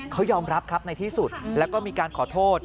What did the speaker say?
เขายอมรับครับในที่สุดแล้วก็มีการขอโทษ